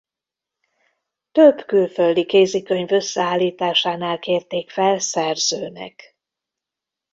Több külföldi kézikönyv összeállításánál kérték fel szerzőnek.